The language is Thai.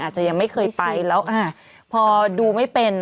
อาจจะยังไม่เคยไปแล้วพอดูไม่เป็น